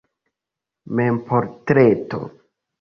Memportreto.